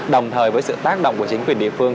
đồng thời với sự tác động của chính quyền địa phương